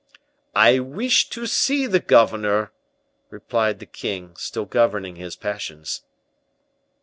"I wish to see the governor," replied the king, still governing his passions.